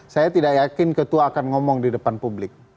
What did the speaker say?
saya tidak yakin ketua akan ngomong di depan publik